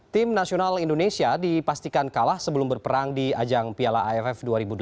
tim nasional indonesia dipastikan kalah sebelum berperang di ajang piala aff dua ribu delapan belas